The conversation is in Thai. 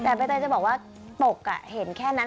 แต่ใบเตยจะบอกว่าปกเห็นแค่นั้น